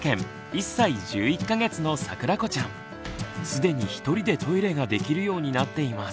既に１人でトイレができるようになっています。